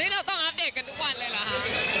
อ๋อนี่เราต้องอัพเดทกันทุกวันเลยเหรอฮะ